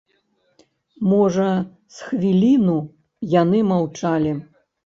Можа, з хвіліну яны маўчалі.